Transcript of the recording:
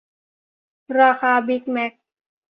ราคาบิกแมค